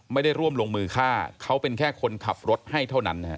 ไม่ได้ร่วมลงมือฆ่าเขาเป็นแค่คนขับรถให้เท่านั้นนะฮะ